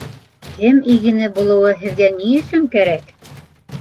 — Кем игене булыуы һеҙгә ни өсөн кәрәк?